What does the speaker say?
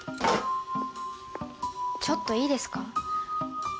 ちょっといいですか？